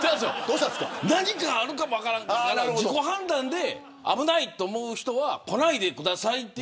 何かあるかも分からんけど自己判断で危ないと思う人は来ないでください